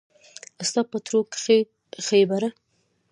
ستا په تړو کښې خېبره